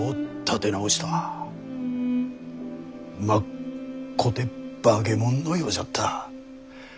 まっこて化け物のようじゃった。